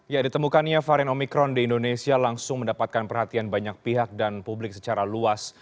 ya ditemukannya varian omikron di indonesia langsung mendapatkan perhatian banyak pihak dan publik secara luas